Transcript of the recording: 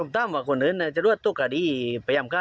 ตามว่าคนเหิมจะรวดตรงกลางเอาไป